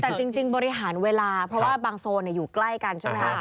แต่จริงบริหารเวลาเพราะว่าบางโซนอยู่ใกล้กันใช่ไหมคะ